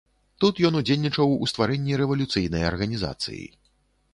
Тут ён удзельнічаў у стварэнні рэвалюцыйнай арганізацыі.